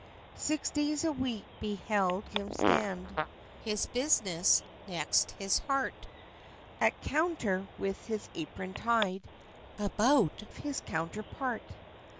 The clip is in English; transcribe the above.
Six days a week beheld him stand, His business next his heart, At counter, with his apron tied About his _counter part.